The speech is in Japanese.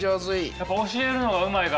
やっぱ教えるのがうまいから。